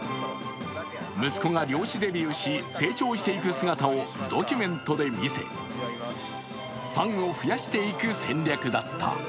息子が漁師デビューし、成長していく姿をドキュメントで見せファンを増やしていく戦略だった。